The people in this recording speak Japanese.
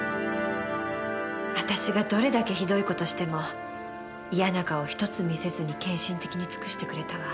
私がどれだけひどい事しても嫌な顔ひとつ見せずに献身的に尽くしてくれたわ。